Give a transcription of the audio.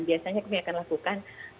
biasanya kami akan lakukan